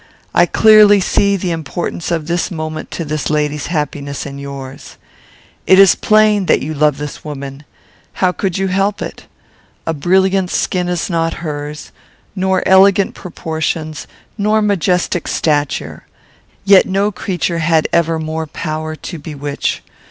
I clearly see the importance of this moment to this lady's happiness and yours. It is plain that you love this woman. How could you help it? A brilliant skin is not hers; nor elegant proportions; nor majestic stature: yet no creature had ever more power to bewitch.